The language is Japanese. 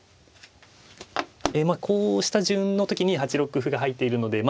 えまあこうした順の時に８六歩が入っているのでま